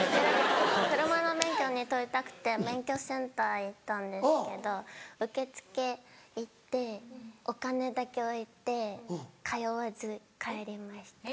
車の免許取りたくて免許センター行ったんですけど受付行ってお金だけ置いて通わず帰りました。